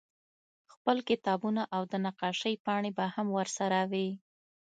خپل کتابونه او د نقاشۍ پاڼې به هم ورسره وې